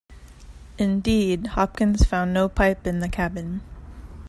Indeed, Hopkins found no pipe in the cabin.